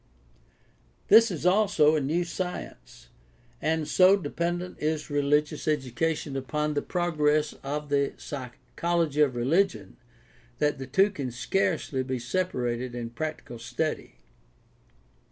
This is also a new science, and so depend ent is religious education upon the progress of the psychology* of religion that the two can scarcely be separated in practical study.